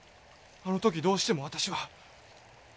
あの時どうしても私は。